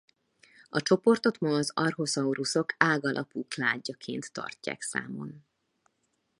A csoportot ma az archosaurusok ág-alapú kládjaként tartják számon.